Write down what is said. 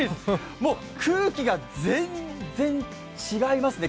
もう空気が全然違いますね。